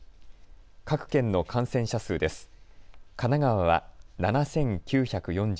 各県の感染者数です。